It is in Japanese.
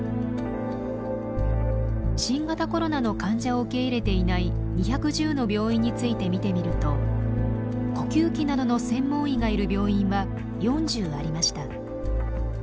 新型コロナの患者を受け入れていない２１０の病院について見てみると呼吸器などの専門医がいる病院は４０ありました。